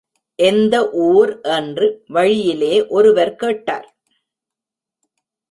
எந்த ஊர் என்று வழியிலே ஒருவர் கேட்டார்.